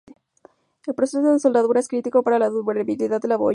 El proceso de soldadura es crítico para la durabilidad de la boya.